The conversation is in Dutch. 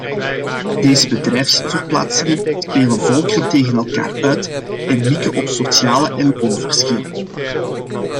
Deze bedrijfsverplaatsingen spelen volkeren tegen elkaar uit en mikken op sociale en loonverschillen.